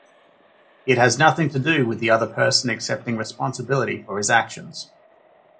It has nothing to do with the other person accepting responsibility for his actions.